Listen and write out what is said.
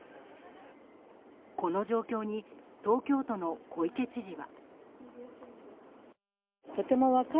この状況に東京都の小池知事は。